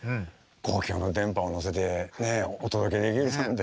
公共の電波に乗せてお届けできるなんて。